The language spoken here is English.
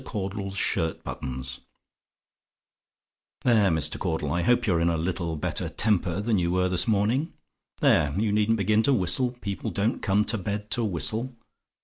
CAUDLE'S SHIRT BUTTONS "There, Mr. Caudle, I hope you're in a little better temper than you were this morning? There you needn't begin to whistle: people don't come to bed to whistle.